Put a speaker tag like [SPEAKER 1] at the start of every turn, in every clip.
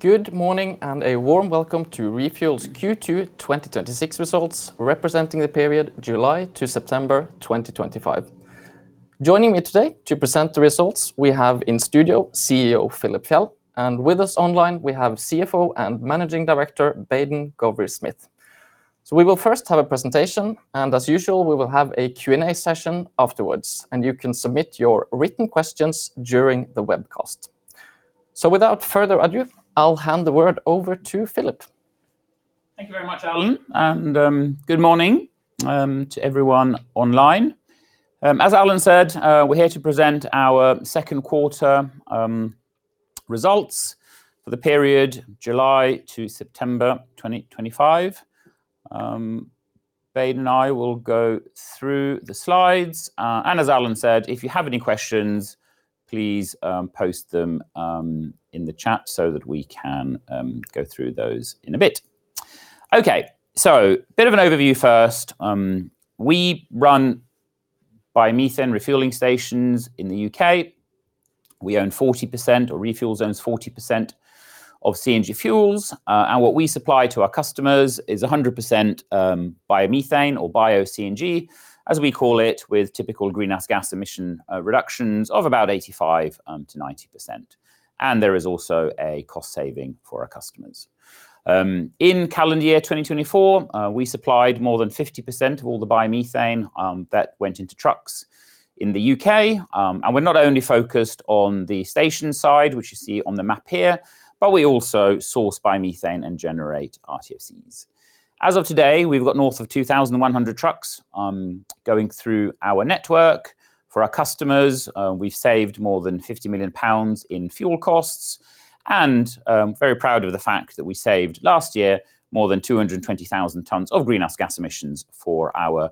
[SPEAKER 1] Good morning and a warm welcome to ReFuels Q2 2026 results, representing the period July-September 2025. Joining me today to present the results, we have in studio CEO Philip Fjeld, and with us online, we have CFO and Managing Director, Baden Gowrie-Smith. We will first have a presentation, and as usual, we will have a Q&A session afterwards, and you can submit your written questions during the webcast. Without further ado, I'll hand the word over to Philip.
[SPEAKER 2] Thank you very much, Alan, and good morning to everyone online. As Alan said, we're here to present our second quarter results for the period July-September 2025. Baden and I will go through the slides, and as Alan said, if you have any questions, please post them in the chat so that we can go through those in a bit. Okay, a bit of an overview first. We run biomethane refueling stations in the U.K. We own 40%, or ReFuels owns 40%, of CNG Fuels, and what we supply to our customers is 100% biomethane, or Bio-CNG, as we call it, with typical GHG emission reductions of about 85%-90%. There is also a cost saving for our customers. In calendar year 2024, we supplied more than 50% of all the biomethane that went into trucks in the U.K., and we're not only focused on the station side, which you see on the map here, but we also source biomethane and generate RTFCs. As of today, we've got north of 2,100 trucks going through our network. For our customers, we've saved more than 50 million pounds in fuel costs, and very proud of the fact that we saved last year more than 220,000 tons of greenhouse gas emissions for our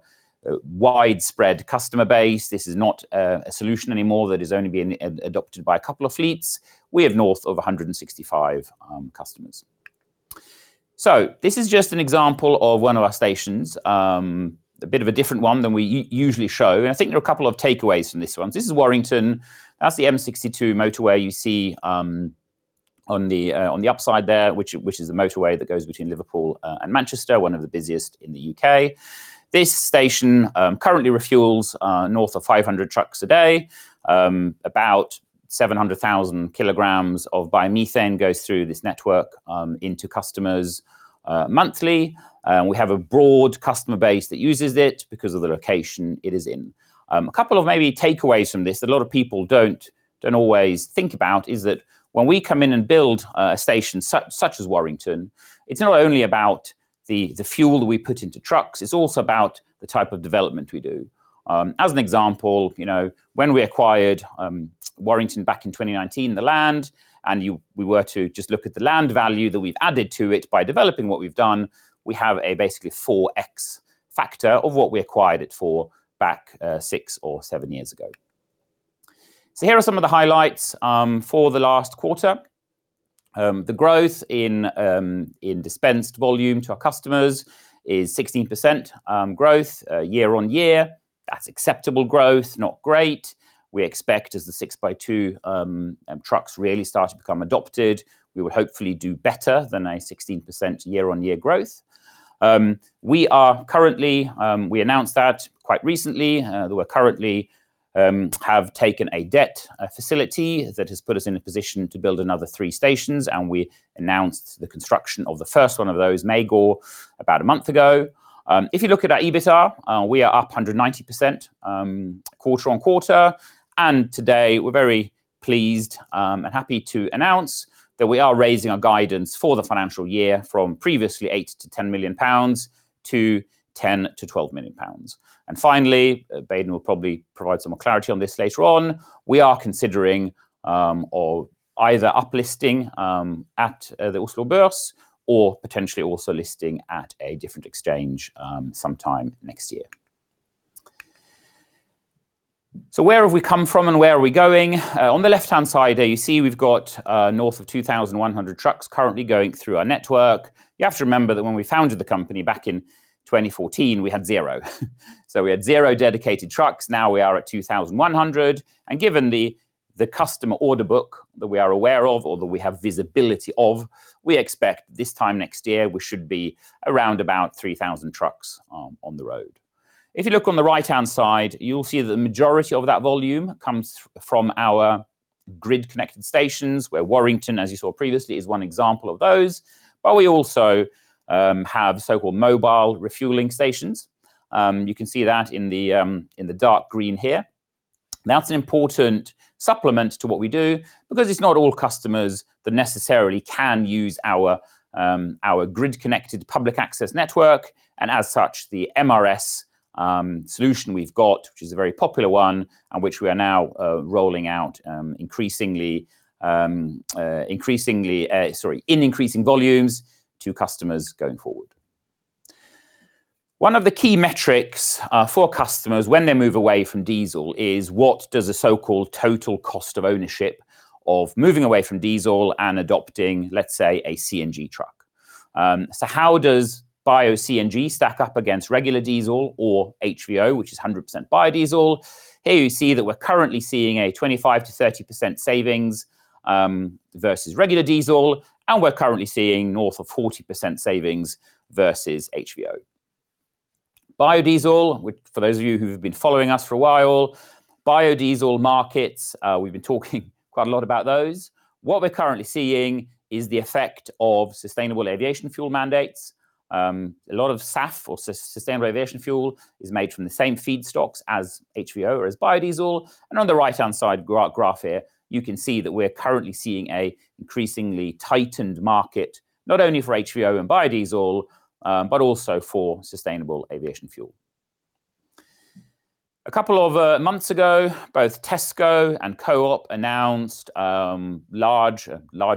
[SPEAKER 2] widespread customer base. This is not a solution anymore that is only being adopted by a couple of fleets. We have north of 165 customers. This is just an example of one of our stations, a bit of a different one than we usually show, and I think there are a couple of takeaways from this one. This is Warrington. That is the M62 motorway you see on the upside there, which is the motorway that goes between Liverpool and Manchester, one of the busiest in the U.K. This station currently refuels north of 500 trucks a day. About 700,000 kg of biomethane goes through this network into customers monthly, and we have a broad customer base that uses it because of the location it is in. A couple of maybe takeaways from this that a lot of people do not always think about is that when we come in and build a station such as Warrington, it is not only about the fuel that we put into trucks, it is also about the type of development we do. As an example, when we acquired Warrington back in 2019, the land, and we were to just look at the land value that we've added to it by developing what we've done, we have a basically 4x factor of what we acquired it for back six or seven years ago. Here are some of the highlights for the last quarter. The growth in dispensed volume to our customers is 16% growth year-on-year. That's acceptable growth, not great. We expect as the 6x2 trucks really start to become adopted, we would hopefully do better than a 16% year-on-year growth. We are currently, we announced that quite recently, that we currently have taken a debt facility that has put us in a position to build another three stations, and we announced the construction of the first one of those, Magor, about a month ago. If you look at our EBITDA, we are up 190% quarter on quarter, and today we are very pleased and happy to announce that we are raising our guidance for the financial year from previously 8 million-10 million-10 million-12 million pounds. Finally, Baden will probably provide some more clarity on this later on, we are considering either uplisting at the Oslo Børs or potentially also listing at a different exchange sometime next year. Where have we come from and where are we going? On the left-hand side, there you see we have got north of 2,100 trucks currently going through our network. You have to remember that when we founded the company back in 2014, we had zero. We had zero dedicated trucks. Now we are at 2,100, and given the customer order book that we are aware of, or that we have visibility of, we expect this time next year we should be around about 3,000 trucks on the road. If you look on the right-hand side, you'll see that the majority of that volume comes from our grid-connected stations, where Warrington, as you saw previously, is one example of those, but we also have so-called mobile refueling stations. You can see that in the dark green here. That's an important supplement to what we do because it's not all customers that necessarily can use our grid-connected public access network, and as such, the MRS solution we've got, which is a very popular one and which we are now rolling out increasingly, sorry, in increasing volumes to customers going forward. One of the key metrics for customers when they move away from diesel is what does the so-called total cost of ownership of moving away from diesel and adopting, let's say, a CNG truck. How does Bio-CNG stack up against regular diesel or HVO, which is 100% biodiesel? Here you see that we're currently seeing a 25%-30% savings versus regular diesel, and we're currently seeing north of 40% savings versus HVO. Biodiesel, for those of you who've been following us for a while, biodiesel markets, we've been talking quite a lot about those. What we're currently seeing is the effect of sustainable aviation fuel mandates. A lot of SAF, or sustainable aviation fuel, is made from the same feedstocks as HVO or as biodiesel, and on the right-hand side graph here, you can see that we're currently seeing an increasingly tightened market, not only for HVO and biodiesel, but also for sustainable aviation fuel. A couple of months ago, both Tesco and Co-op announced large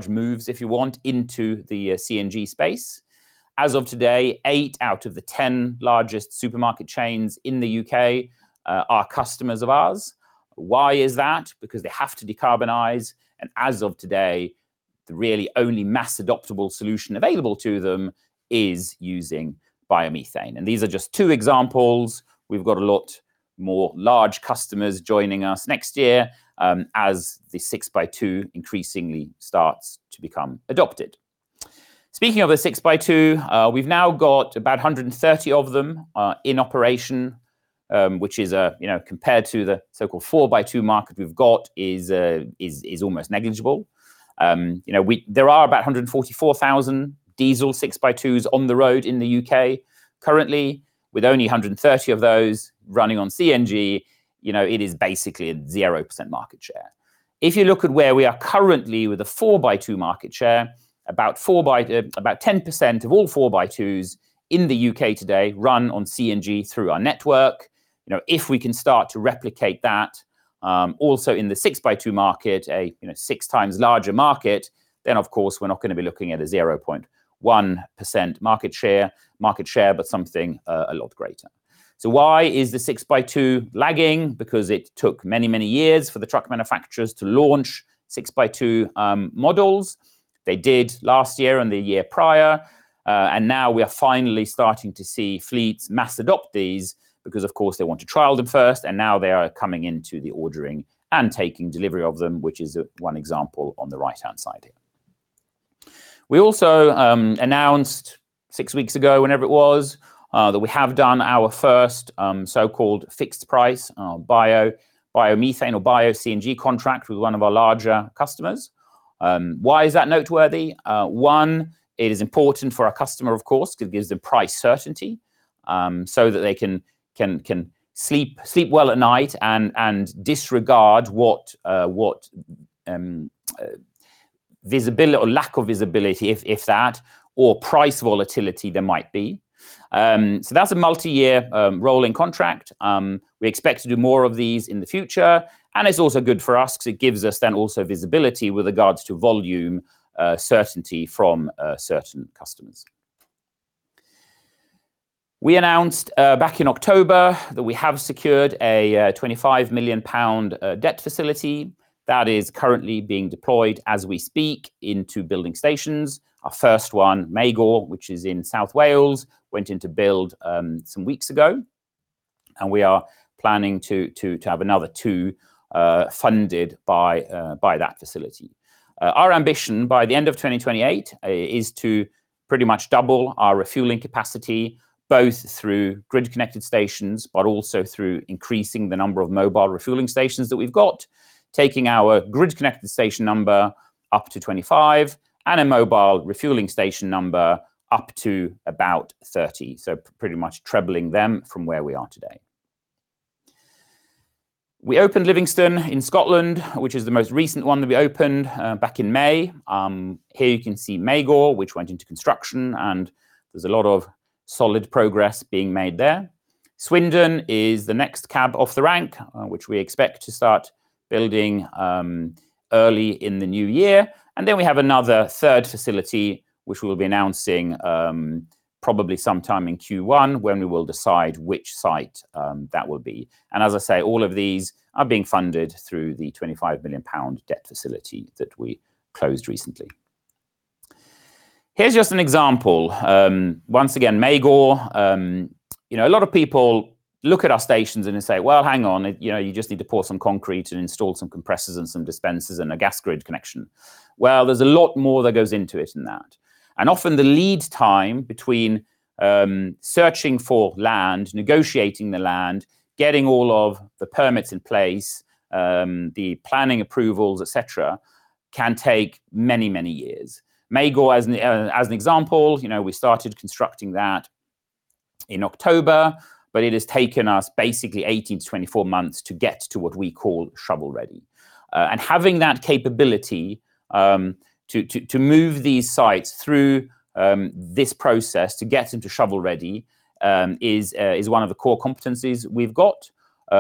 [SPEAKER 2] moves, if you want, into the CNG space. As of today, eight out of the ten largest supermarket chains in the U.K. are customers of ours. Why is that? Because they have to decarbonize, and as of today, the really only mass adoptable solution available to them is using biomethane. These are just two examples. We've got a lot more large customers joining us next year as the 6x2 increasingly starts to become adopted. Speaking of the 6x2, we've now got about 130 of them in operation, which is compared to the so-called 4x2 market we've got is almost negligible. There are about 144,000 diesel 6x2s on the road in the U.K. currently, with only 130 of those running on CNG. It is basically a 0% market share. If you look at where we are currently with a 4x2 market share, about 10% of all 4x2s in the U.K. today run on CNG through our network. If we can start to replicate that also in the 6x2 market, a six times larger market, of course we're not going to be looking at a 0.1% market share, but something a lot greater. Why is the 6x2 lagging? Because it took many, many years for the truck manufacturers to launch 6x2 models. They did last year and the year prior, and now we are finally starting to see fleets mass adopt these because of course they want to trial them first, and now they are coming into the ordering and taking delivery of them, which is one example on the right-hand side here. We also announced six weeks ago, whenever it was, that we have done our first so-called fixed price Bio-CNG contract with one of our larger customers. Why is that noteworthy? One, it is important for our customer, of course, because it gives them price certainty so that they can sleep well at night and disregard what visibility or lack of visibility, if that, or price volatility there might be. That is a multi-year rolling contract. We expect to do more of these in the future, and it's also good for us because it gives us then also visibility with regards to volume certainty from certain customers. We announced back in October that we have secured a 25 million pound debt facility that is currently being deployed as we speak into building stations. Our first one, Magor, which is in South Wales, went into build some weeks ago, and we are planning to have another two funded by that facility. Our ambition by the end of 2028 is to pretty much double our refueling capacity, both through grid-connected stations, but also through increasing the number of mobile refueling stations that we've got, taking our grid-connected station number up to 25 and a mobile refueling station number up to about 30, so pretty much trebling them from where we are today. We opened Livingston in Scotland, which is the most recent one that we opened back in May. Here you can see Magor, which went into construction, and there's a lot of solid progress being made there. Swindon is the next cab off the rank, which we expect to start building early in the new year, and then we have another third facility, which we'll be announcing probably sometime in Q1 when we will decide which site that will be. As I say, all of these are being funded through the 25 million pound debt facility that we closed recently. Here's just an example. Once again, Magor. A lot of people look at our stations and say, "Well, hang on, you just need to pour some concrete and install some compressors and some dispensers and a gas grid connection." There is a lot more that goes into it than that, and often the lead time between searching for land, negotiating the land, getting all of the permits in place, the planning approvals, etc., can take many, many years. Magor, as an example, we started constructing that in October, but it has taken us basically 18-24 months to get to what we call shovel ready. Having that capability to move these sites through this process to get into shovel ready is one of the core competencies we have,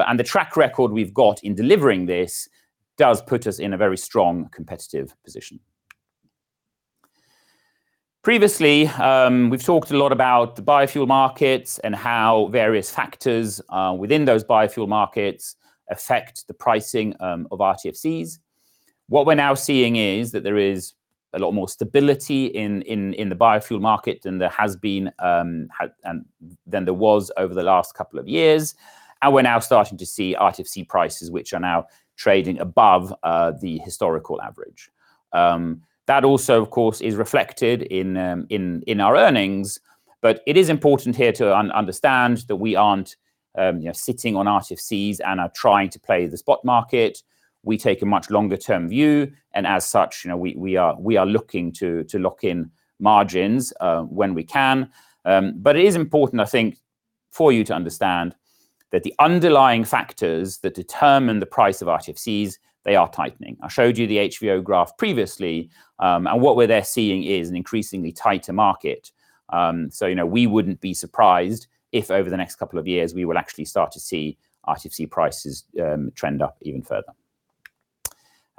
[SPEAKER 2] and the track record we have in delivering this does put us in a very strong competitive position. Previously, we've talked a lot about the biofuel markets and how various factors within those biofuel markets affect the pricing of RTFCs. What we're now seeing is that there is a lot more stability in the biofuel market than there has been and than there was over the last couple of years, and we're now starting to see RTFC prices which are now trading above the historical average. That also, of course, is reflected in our earnings, but it is important here to understand that we aren't sitting on RTFCs and are trying to play the spot market. We take a much longer-term view, and as such, we are looking to lock in margins when we can. It is important, I think, for you to understand that the underlying factors that determine the price of RTFCs, they are tightening. I showed you the HVO graph previously, and what we're there seeing is an increasingly tighter market. We wouldn't be surprised if over the next couple of years we will actually start to see RTFC prices trend up even further.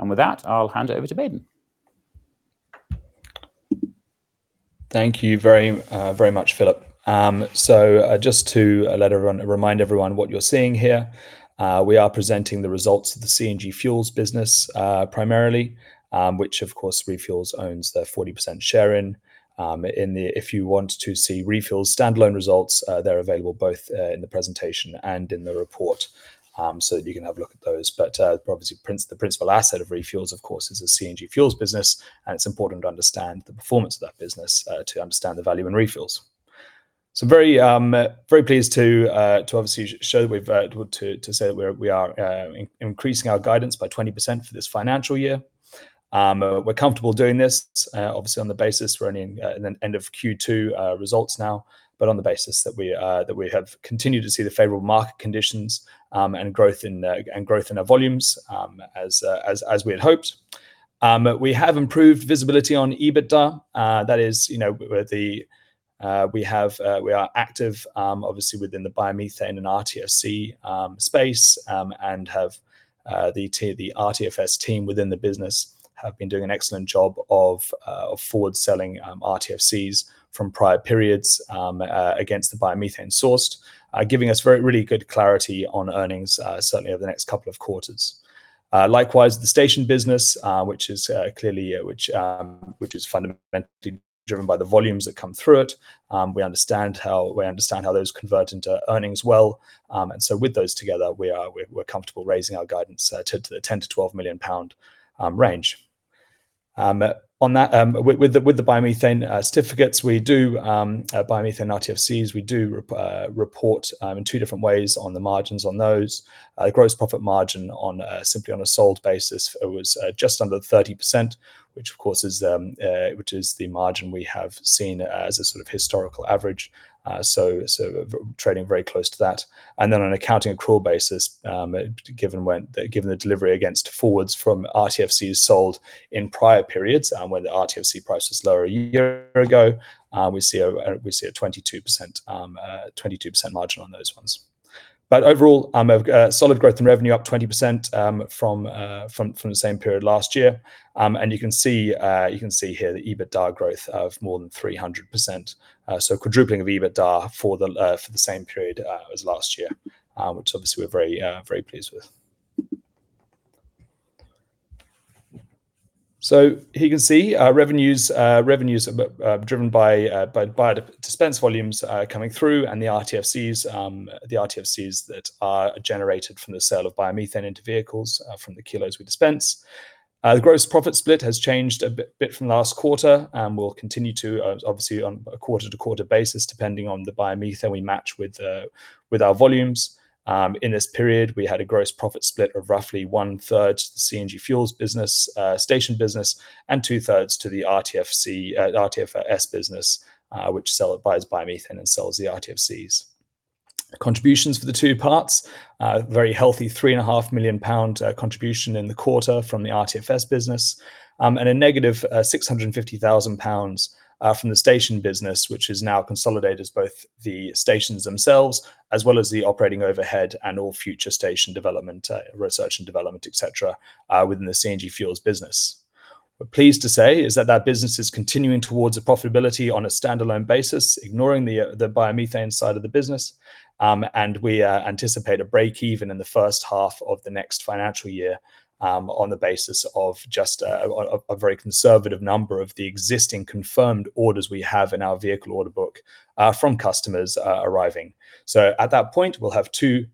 [SPEAKER 2] With that, I'll hand it over to Baden.
[SPEAKER 3] Thank you very much, Philip. Just to remind everyone what you're seeing here, we are presenting the results of the CNG Fuels business primarily, which of course ReFuels owns their 40% share in. If you want to see ReFuels' standalone results, they're available both in the presentation and in the report so that you can have a look at those. Obviously, the principal asset of ReFuels, of course, is the CNG Fuels business, and it's important to understand the performance of that business to understand the value in ReFuels. Very pleased to obviously show that we've to say that we are increasing our guidance by 20% for this financial year. We're comfortable doing this, obviously on the basis we're only in the end of Q2 results now, but on the basis that we have continued to see the favorable market conditions and growth in our volumes as we had hoped. We have improved visibility on EBITDA. That is, we are active, obviously, within the biomethane and RTFC space and have the RTFC team within the business have been doing an excellent job of forward-selling RTFCs from prior periods against the biomethane sourced, giving us really good clarity on earnings, certainly over the next couple of quarters. Likewise, the station business, which is clearly, which is fundamentally driven by the volumes that come through it, we understand how those convert into earnings well, and so with those together, we're comfortable raising our guidance to the 10 million-12 million pound range. With the biomethane certificates, we do biomethane RTFCs, we do report in two different ways on the margins on those. The gross profit margin simply on a sold basis was just under 30%, which of course is the margin we have seen as a sort of historical average, trading very close to that. On an accounting accrual basis, given the delivery against forwards from RTFCs sold in prior periods when the RTFC price was lower a year ago, we see a 22% margin on those ones. Overall, solid growth and revenue up 20% from the same period last year, and you can see here the EBITDA growth of more than 300%, so quadrupling of EBITDA for the same period as last year, which obviously we are very pleased with. Here you can see revenues driven by dispense volumes coming through and the RTFCs that are generated from the sale of biomethane into vehicles from the kilos we dispense. The gross profit split has changed a bit from last quarter and will continue to, obviously, on a quarter-to-quarter basis depending on the biomethane we match with our volumes. In this period, we had a gross profit split of roughly one-third to the CNG Fuels business, station business, and two-thirds to the RTFCs business, which buys biomethane and sells the RTFCs. Contributions for the two parts, a very healthy 3.5 million pound contribution in the quarter from the RTFC business, and a -650,000 pounds from the station business, which is now consolidated as both the stations themselves as well as the operating overhead and all future station development, research and development, etc., within the CNG Fuels business. We're pleased to say is that that business is continuing towards a profitability on a standalone basis, ignoring the biomethane side of the business, and we anticipate a break-even in the first half of the next financial year on the basis of just a very conservative number of the existing confirmed orders we have in our vehicle order book from customers arriving. At that point, we'll have two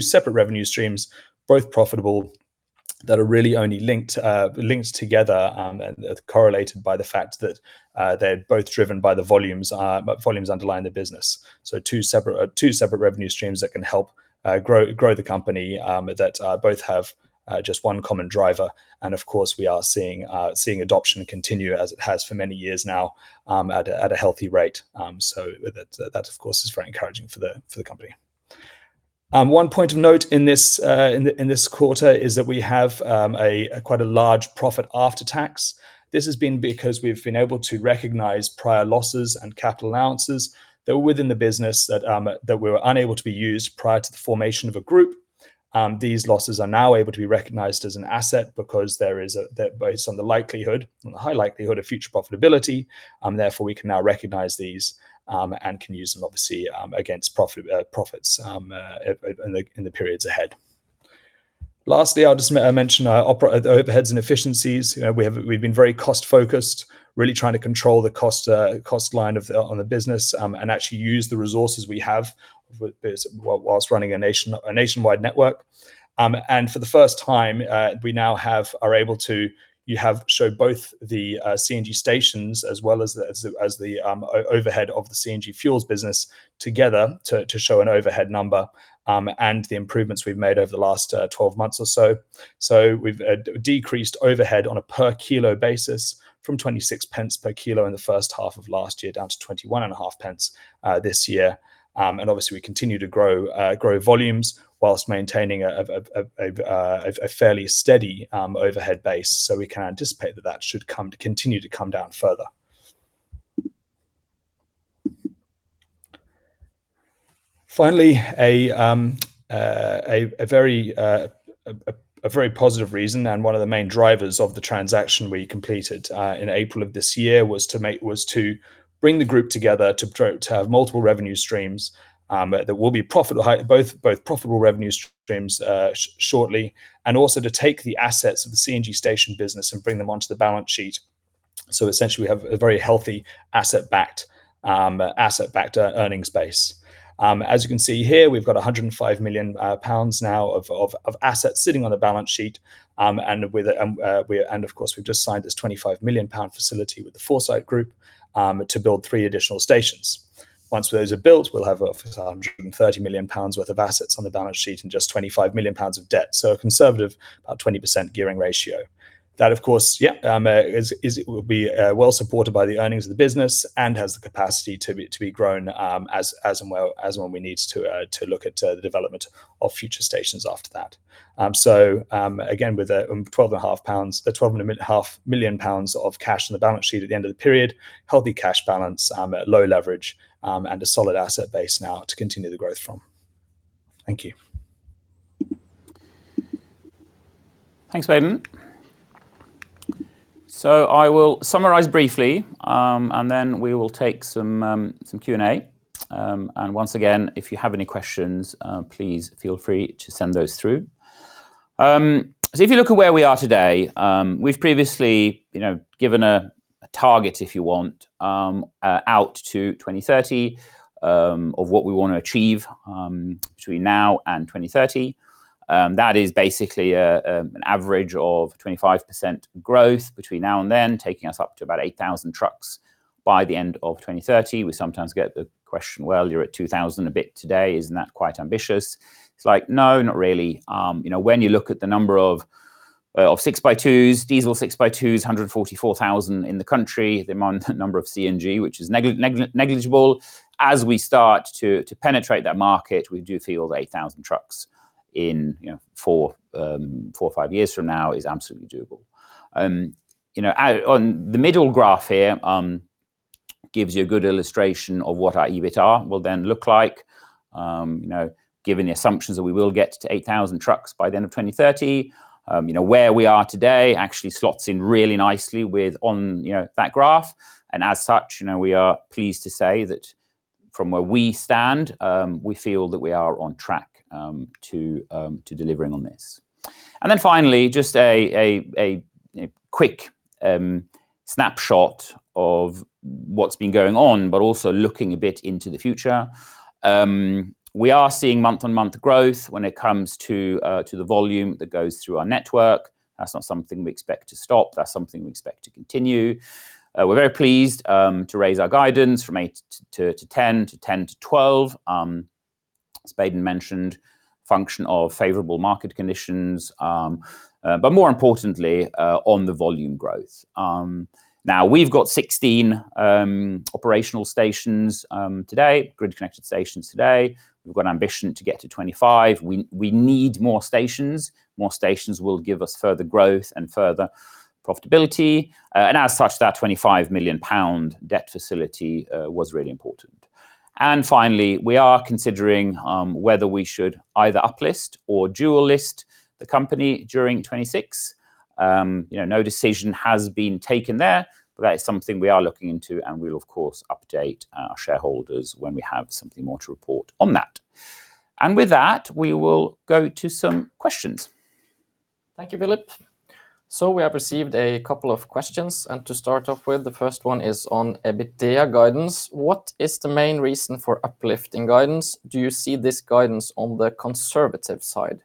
[SPEAKER 3] separate revenue streams, both profitable, that are really only linked together and correlated by the fact that they're both driven by the volumes underlying the business. Two separate revenue streams can help grow the company that both have just one common driver, and of course, we are seeing adoption continue as it has for many years now at a healthy rate. That, of course, is very encouraging for the company. One point of note in this quarter is that we have quite a large profit after tax. This has been because we've been able to recognize prior losses and capital allowances that were within the business that were unable to be used prior to the formation of a group. These losses are now able to be recognized as an asset because they're based on the likelihood, on the high likelihood of future profitability, and therefore we can now recognize these and can use them, obviously, against profits in the periods ahead. Lastly, I'll just mention our overheads and efficiencies. We've been very cost-focused, really trying to control the cost line on the business and actually use the resources we have whilst running a nationwide network. For the first time, we now are able to show both the CNG stations as well as the overhead of the CNG Fuels business together to show an overhead number and the improvements we've made over the last 12 months or so. We have decreased overhead on a per-kilo basis from 0.26 per kilo in the first half of last year down to 0.21 this year, and obviously, we continue to grow volumes whilst maintaining a fairly steady overhead base, so we can anticipate that that should continue to come down further. Finally, a very positive reason and one of the main drivers of the transaction we completed in April of this year was to bring the group together to have multiple revenue streams that will be profitable, both profitable revenue streams shortly, and also to take the assets of the CNG station business and bring them onto the balance sheet. Essentially, we have a very healthy asset-backed earnings base. As you can see here, we have 105 million pounds now of assets sitting on the balance sheet, and of course, we have just signed this 25 million pound facility with the Foresight Group to build three additional stations. Once those are built, we will have 130 million pounds worth of assets on the balance sheet and just 25 million pounds of debt, so a conservative about 20% gearing ratio. That, of course, will be well supported by the earnings of the business and has the capacity to be grown as well as when we need to look at the development of future stations after that. Again, with the 12.5 million pounds of cash on the balance sheet at the end of the period, healthy cash balance, low leverage, and a solid asset base now to continue the growth from. Thank you.
[SPEAKER 2] Thanks, Baden. I will summarize briefly, and then we will take some Q&A. Once again, if you have any questions, please feel free to send those through. If you look at where we are today, we've previously given a target, if you want, out to 2030 of what we want to achieve between now and 2030. That is basically an average of 25% growth between now and then, taking us up to about 8,000 trucks by the end of 2030. We sometimes get the question, "Well, you're at 2,000 a bit today. Isn't that quite ambitious?" It's like, "No, not really." When you look at the number of 6x2s, diesel 6x2s, 144,000 in the country, the amount of number of CNG, which is negligible. As we start to penetrate that market, we do feel that 8,000 trucks in four or five years from now is absolutely doable. The middle graph here gives you a good illustration of what our EBITDA will then look like, given the assumptions that we will get to 8,000 trucks by the end of 2030. Where we are today actually slots in really nicely with that graph, and as such, we are pleased to say that from where we stand, we feel that we are on track to delivering on this. Finally, just a quick snapshot of what's been going on, but also looking a bit into the future. We are seeing month-on-month growth when it comes to the volume that goes through our network. That's not something we expect to stop. That's something we expect to continue. We're very pleased to raise our guidance from 8 million-10 million-GBP 10 million-GBP 12 million, as Baden mentioned, function of favorable market conditions, but more importantly, on the volume growth. Now, we've got 16 operational stations today, grid-connected stations today. We've got ambition to get to 25. We need more stations. More stations will give us further growth and further profitability. As such, that 25 million pound debt facility was really important. Finally, we are considering whether we should either uplist or dual-list the company during 2026. No decision has been taken there, but that is something we are looking into, and we will, of course, update our shareholders when we have something more to report on that. With that, we will go to some questions.
[SPEAKER 1] Thank you, Philip. We have received a couple of questions, and to start off with, the first one is on EBITDA guidance. What is the main reason for uplift in guidance? Do you see this guidance on the conservative side?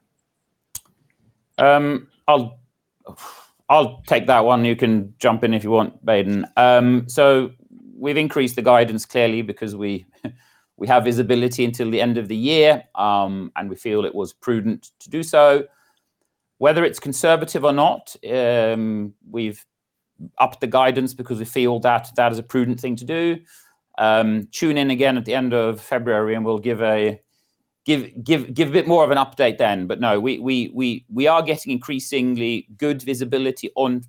[SPEAKER 2] I will take that one. You can jump in if you want, Baden. We have increased the guidance clearly because we have visibility until the end of the year, and we feel it was prudent to do so. Whether it's conservative or not, we've upped the guidance because we feel that is a prudent thing to do. Tune in again at the end of February, and we'll give a bit more of an update then. No, we are getting increasingly good visibility on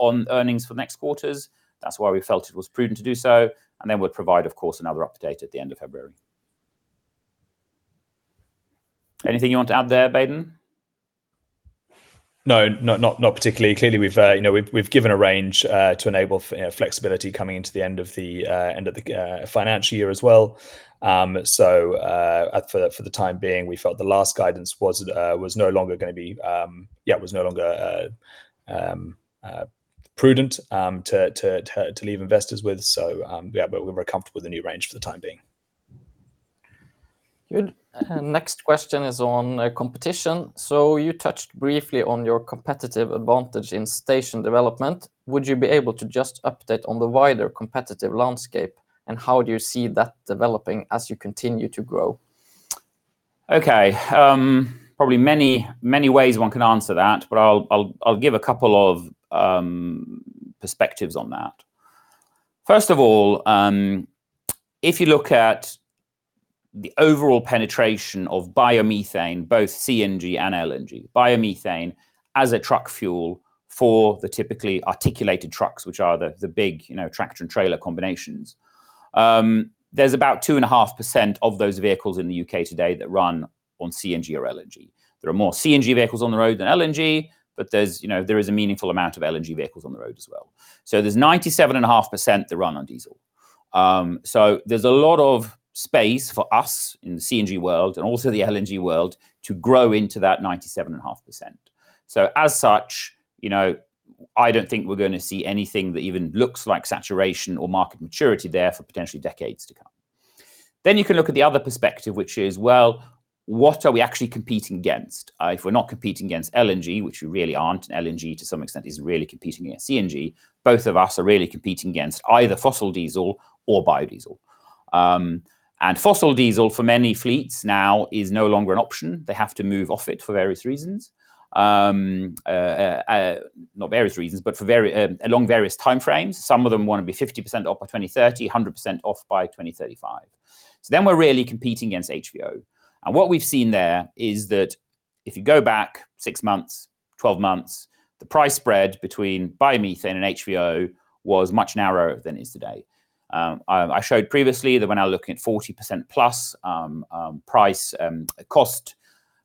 [SPEAKER 2] earnings for next quarters. That's why we felt it was prudent to do so. We will provide, of course, another update at the end of February. Anything you want to add there, Baden?
[SPEAKER 3] No, not particularly. Clearly, we've given a range to enable flexibility coming into the end of the financial year as well. For the time being, we felt the last guidance was no longer going to be, yeah, was no longer prudent to leave investors with. Yeah, we were comfortable with the new range for the time being.
[SPEAKER 1] Next question is on competition. You touched briefly on your competitive advantage in station development. Would you be able to just update on the wider competitive landscape, and how do you see that developing as you continue to grow?
[SPEAKER 2] Okay. Probably many ways one can answer that, but I'll give a couple of perspectives on that. First of all, if you look at the overall penetration of biomethane, both CNG and LNG, biomethane as a truck fuel for the typically articulated trucks, which are the big tractor and trailer combinations, there's about 2.5% of those vehicles in the U.K. today that run on CNG or LNG. There are more CNG vehicles on the road than LNG, but there is a meaningful amount of LNG vehicles on the road as well. There's 97.5% that run on diesel. There is a lot of space for us in the CNG world and also the LNG world to grow into that 97.5%. As such, I do not think we are going to see anything that even looks like saturation or market maturity there for potentially decades to come. You can look at the other perspective, which is, what are we actually competing against? If we are not competing against LNG, which we really are not, and LNG to some extent is really competing against CNG, both of us are really competing against either fossil diesel or biodiesel. Fossil diesel for many fleets now is no longer an option. They have to move off it for various reasons. Not various reasons, but along various time frames. Some of them want to be 50% off by 2030, 100% off by 2035. We are really competing against HVO. What we've seen there is that if you go back six months, twelve months, the price spread between biomethane and HVO was much narrower than it is today. I showed previously that when I look at 40%+ price cost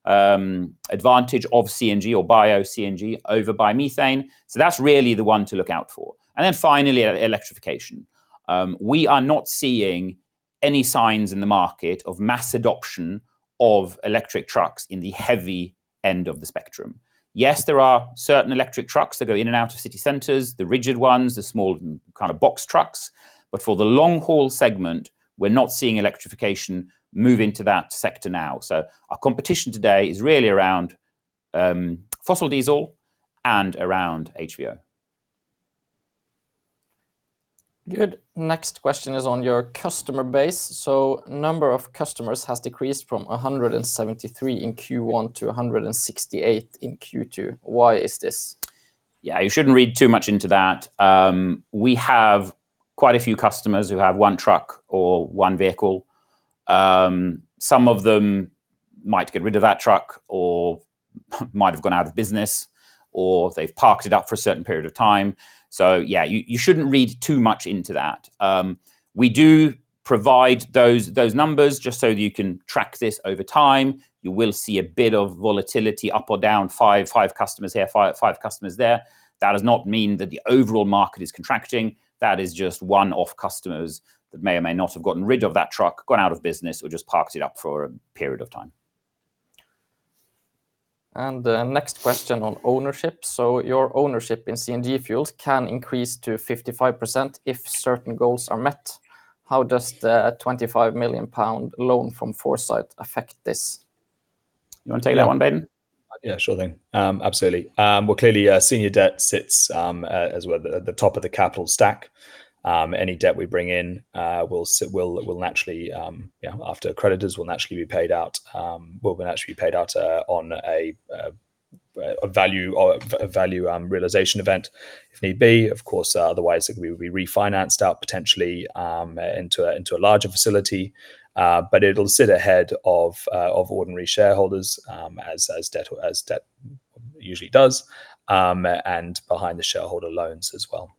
[SPEAKER 2] advantage of CNG or Bio-CNG over biomethane, so that's really the one to look out for. Finally, electrification. We are not seeing any signs in the market of mass adoption of electric trucks in the heavy end of the spectrum. Yes, there are certain electric trucks that go in and out of city centers, the rigid ones, the small kind of box trucks, but for the long-haul segment, we're not seeing electrification move into that sector now. Our competition today is really around fossil diesel and around HVO. Good.
[SPEAKER 1] Next question is on your customer base. The number of customers has decreased from 173 in Q1 to 168 in Q2. Why is this?
[SPEAKER 2] Yeah, you should not read too much into that. We have quite a few customers who have one truck or one vehicle. Some of them might get rid of that truck or might have gone out of business, or they have parked it up for a certain period of time. Yeah, you should not read too much into that. We do provide those numbers just so that you can track this over time. You will see a bit of volatility up or down, five customers here, five customers there. That does not mean that the overall market is contracting. That is just one-off customers that may or may not have gotten rid of that truck, gone out of business, or just parked it up for a period of time.
[SPEAKER 1] Next question on ownership. Your ownership in CNG Fuels can increase to 55% if certain goals are met. How does the 25 million pound loan from Foresight affect this?
[SPEAKER 2] You want to take that one, Baden?
[SPEAKER 3] Yeah, sure thing. Absolutely. Clearly, senior debt sits at the top of the capital stack. Any debt we bring in will naturally, after creditors, be paid out. We will naturally be paid out on a value realization event if need be. Of course, otherwise, we will be refinanced out potentially into a larger facility. It will sit ahead of ordinary shareholders as debt usually does and behind the shareholder loans as well.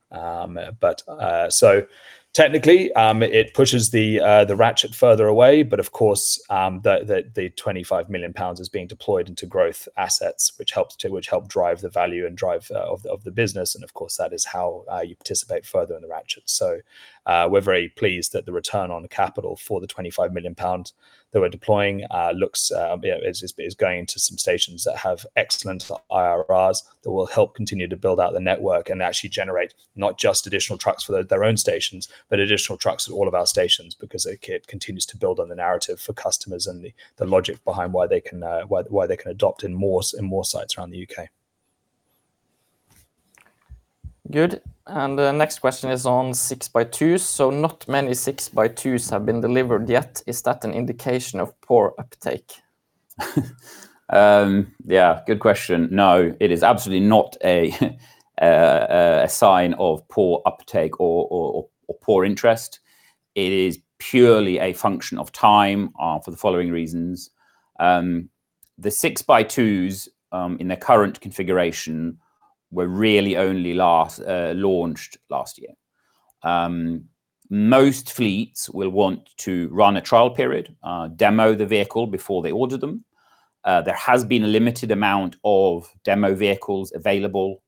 [SPEAKER 3] Technically, it pushes the ratchet further away, but of course, the 25 million pounds is being deployed into growth assets, which help drive the value and drive of the business. Of course, that is how you participate further in the ratchet. We are very pleased that the return on capital for the 25 million pounds that we are deploying is going to some stations that have excellent IRRs that will help continue to build out the network and actually generate not just additional trucks for their own stations, but additional trucks at all of our stations because it continues to build on the narrative for customers and the logic behind why they can adopt in more sites around the U.K.
[SPEAKER 1] Good. The next question is on 6x2s. Not many 6x2s have been delivered yet. Is that an indication of poor uptake?
[SPEAKER 2] Yeah, good question. No, it is absolutely not a sign of poor uptake or poor interest. It is purely a function of time for the following reasons. The 6x2s in their current configuration were really only launched last year. Most fleets will want to run a trial period, demo the vehicle before they order them. There has been a limited amount of demo vehicles available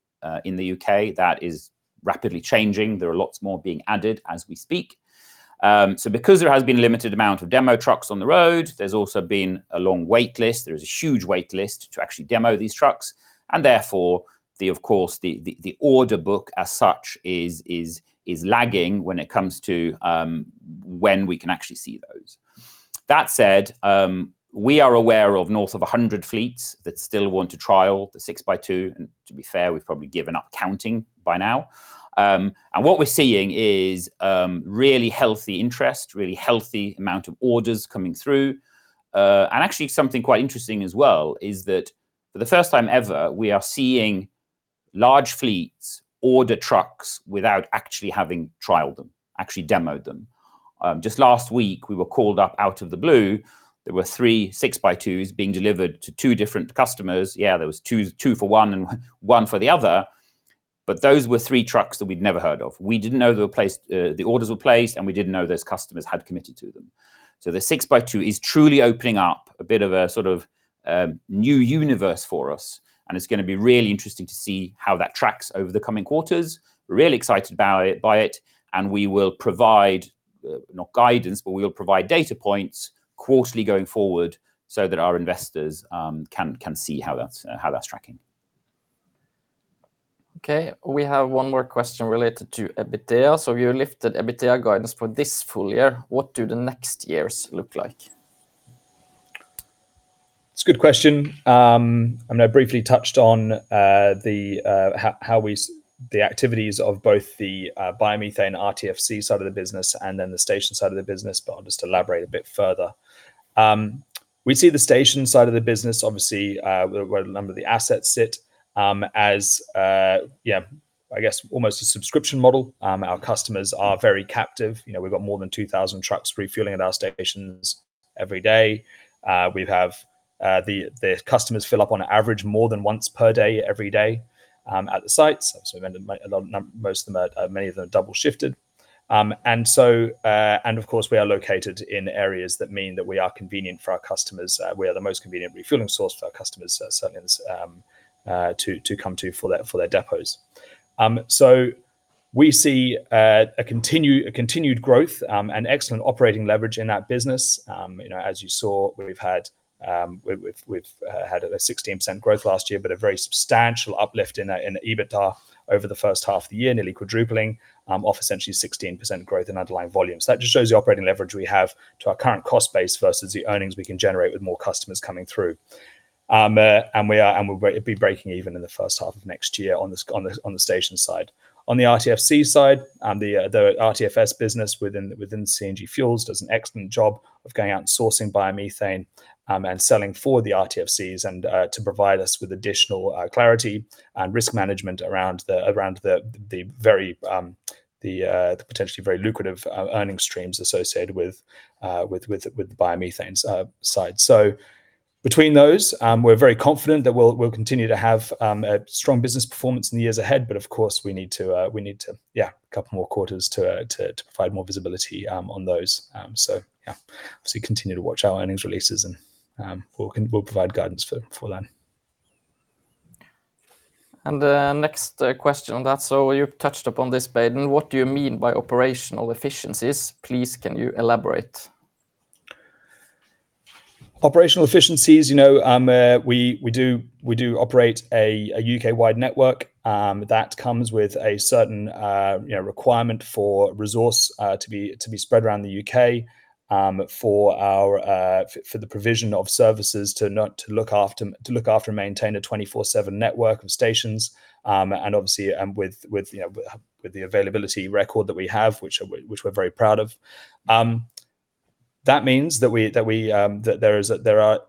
[SPEAKER 2] in the U.K. That is rapidly changing. There are lots more being added as we speak. Because there has been a limited amount of demo trucks on the road, there has also been a long waitlist. There is a huge waitlist to actually demo these trucks. Therefore, of course, the order book as such is lagging when it comes to when we can actually see those. That said, we are aware of north of 100 fleets that still want to trial the 6x2. To be fair, we have probably given up counting by now. What we are seeing is really healthy interest, really healthy amount of orders coming through. Actually, something quite interesting as well is that for the first time ever, we are seeing large fleets order trucks without actually having trialed them, actually demoed them. Just last week, we were called up out of the blue. There were three 6x2s being delivered to two different customers. There were two for one and one for the other. Those were three trucks that we'd never heard of. We didn't know the orders were placed, and we didn't know those customers had committed to them. The 6x2 is truly opening up a bit of a sort of new universe for us. It is going to be really interesting to see how that tracks over the coming quarters. We are really excited by it. We will provide not guidance, but we will provide data points quarterly going forward so that our investors can see how that is tracking.
[SPEAKER 1] Okay. We have one more question related to EBITDA. You lifted EBITDA guidance for this full year. What do the next years look like?
[SPEAKER 3] It's a good question. I mean, I briefly touched on the activities of both the biomethane RTFC side of the business and then the station side of the business, but I'll just elaborate a bit further. We see the station side of the business, obviously, where a number of the assets sit as, yeah, I guess, almost a subscription model. Our customers are very captive. We've got more than 2,000 trucks refueling at our stations every day. We have the customers fill up on average more than once per day every day at the sites. Most of them, many of them are double-shifted. Of course, we are located in areas that mean that we are convenient for our customers. We are the most convenient refueling source for our customers, certainly, to come to for their depots. We see a continued growth and excellent operating leverage in that business. As you saw, we have had a 16% growth last year, but a very substantial uplift in EBITDA over the first half of the year, nearly quadrupling off essentially 16% growth in underlying volumes. That just shows the operating leverage we have to our current cost base versus the earnings we can generate with more customers coming through. We will be breaking even in the first half of next year on the station side. On the RTFC side, the RTFC business within CNG Fuels does an excellent job of going out and sourcing biomethane and selling for the RTFCs and to provide us with additional clarity and risk management around the very, potentially very lucrative earnings streams associated with the biomethane side. Between those, we're very confident that we'll continue to have strong business performance in the years ahead. Of course, we need to, yeah, a couple more quarters to provide more visibility on those. Yeah, obviously, continue to watch our earnings releases, and we'll provide guidance for that.
[SPEAKER 1] Next question on that. You've touched upon this, Baden. What do you mean by operational efficiencies? Please, can you elaborate?
[SPEAKER 3] Operational efficiencies, we do operate a U.K.-wide network that comes with a certain requirement for resource to be spread around the U.K. for the provision of services to look after and maintain a 24/7 network of stations. Obviously, with the availability record that we have, which we're very proud of, that means that there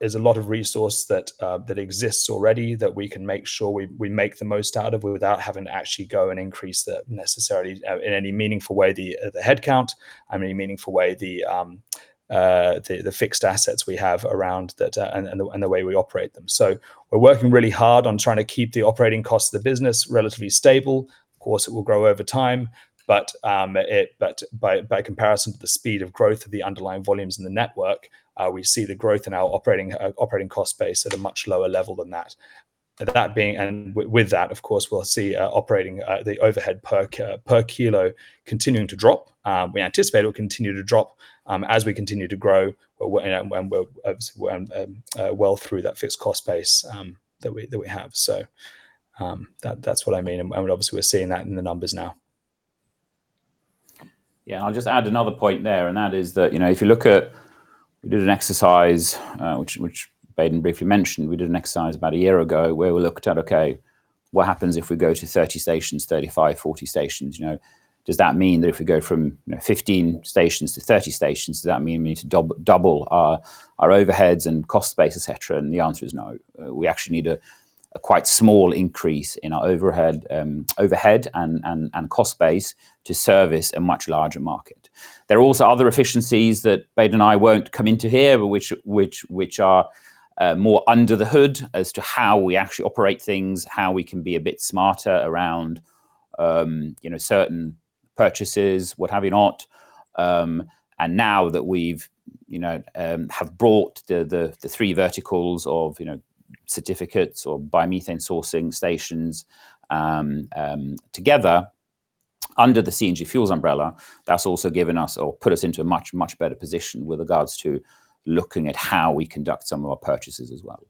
[SPEAKER 3] is a lot of resource that exists already that we can make sure we make the most out of without having to actually go and increase necessarily in any meaningful way the headcount and any meaningful way the fixed assets we have around and the way we operate them. We are working really hard on trying to keep the operating costs of the business relatively stable. Of course, it will grow over time. By comparison to the speed of growth of the underlying volumes in the network, we see the growth in our operating cost base at a much lower level than that. With that, of course, we will see the overhead per kilo continuing to drop. We anticipate it will continue to drop as we continue to grow and well through that fixed cost base that we have. That is what I mean. Obviously, we are seeing that in the numbers now.
[SPEAKER 2] Yeah. I will just add another point there. That is that if you look at, we did an exercise which Baden briefly mentioned. We did an exercise about a year ago where we looked at, okay, what happens if we go to 30 stations, 35, 40 stations? Does that mean that if we go from 15 stations to 30 stations, does that mean we need to double our overheads and cost base, etc.? The answer is no. We actually need a quite small increase in our overhead and cost base to service a much larger market. There are also other efficiencies that Baden and I will not come into here, which are more under the hood as to how we actually operate things, how we can be a bit smarter around certain purchases, what have you not. Now that we have brought the three verticals of certificates or biomethane sourcing stations together under the CNG Fuels umbrella, that has also given us or put us into a much, much better position with regards to looking at how we conduct some of our purchases as well.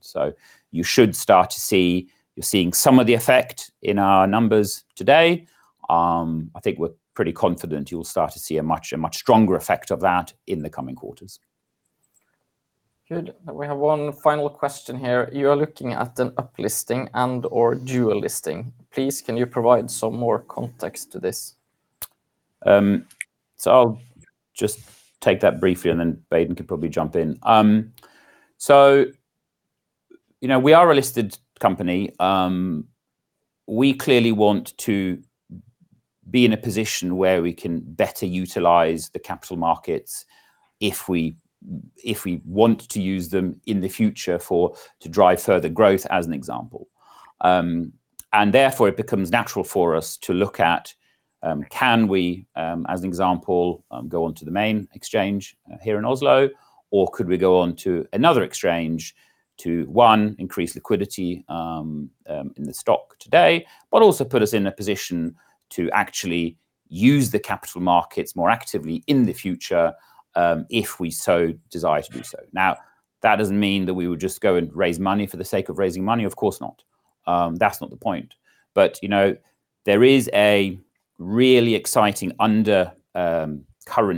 [SPEAKER 2] You should start to see you're seeing some of the effect in our numbers today. I think we're pretty confident you'll start to see a much stronger effect of that in the coming quarters.
[SPEAKER 1] Good. We have one final question here. You are looking at an uplisting and/or dual listing. Please, can you provide some more context to this?
[SPEAKER 2] I'll just take that briefly, and then Baden can probably jump in. We are a listed company. We clearly want to be in a position where we can better utilize the capital markets if we want to use them in the future to drive further growth, as an example. Therefore, it becomes natural for us to look at, can we, as an example, go on to the main exchange here in Oslo, or could we go on to another exchange to, one, increase liquidity in the stock today, but also put us in a position to actually use the capital markets more actively in the future if we so desire to do so. That does not mean that we would just go and raise money for the sake of raising money. Of course not. That is not the point. There is a really exciting undercurrent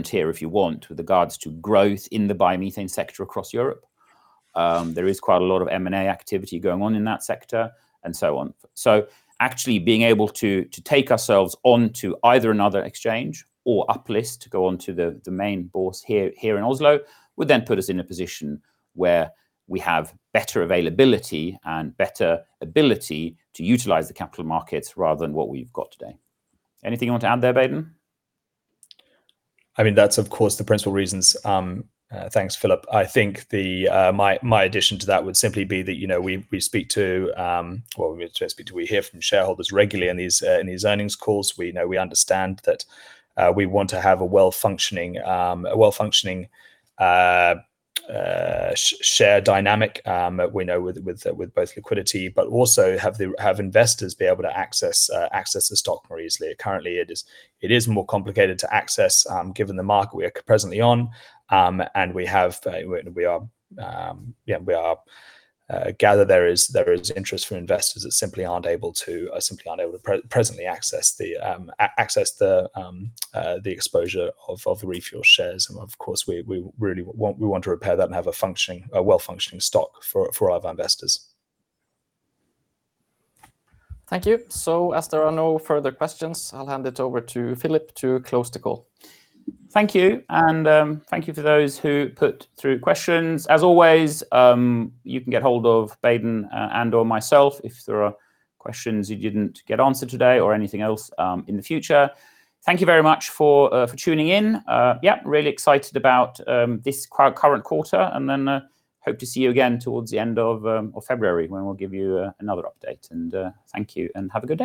[SPEAKER 2] here, if you want, with regards to growth in the biomethane sector across Europe. There is quite a lot of M&A activity going on in that sector and so on. Actually being able to take ourselves onto either another exchange or uplist to go on to the main bourse here in Oslo would then put us in a position where we have better availability and better ability to utilize the capital markets rather than what we have today. Anything you want to add there, Baden?
[SPEAKER 3] I mean, that is, of course, the principal reasons. Thanks, Philip. I think my addition to that would simply be that we speak to, we hear from shareholders regularly in these earnings calls. We understand that we want to have a well-functioning share dynamic with both liquidity, but also have investors be able to access the stock more easily. Currently, it is more complicated to access given the market we are presently on. We gather there is interest from investors that simply are not able to presently access the exposure of the ReFuels shares. We really want to repair that and have a well-functioning stock for all of our investors.
[SPEAKER 1] Thank you. As there are no further questions, I will hand it over to Philip to close the call.
[SPEAKER 2] Thank you. Thank you for those who put through questions. As always, you can get hold of Baden and/or myself if there are questions you did not get answered today or anything else in the future. Thank you very much for tuning in. Really excited about this current quarter. Hope to see you again towards the end of February when we will give you another update. Thank you and have a good day.